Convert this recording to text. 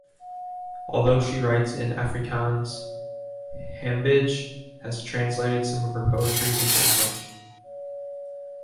Although she writes in Afrikaans, Hambidge has translated some of her poetry into English.